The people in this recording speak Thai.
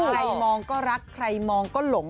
มองก็รักใครมองก็หลง